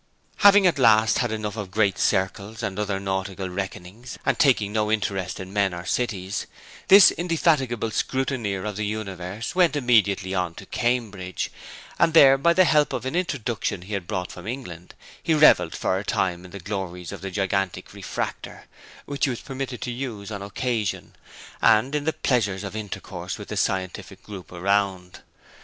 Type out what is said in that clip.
Having at last had enough of great circles and other nautical reckonings, and taking no interest in men or cities, this indefatigable scrutineer of the universe went immediately on to Cambridge; and there, by the help of an introduction he had brought from England, he revelled for a time in the glories of the gigantic refractor (which he was permitted to use on occasion), and in the pleasures of intercourse with the scientific group around.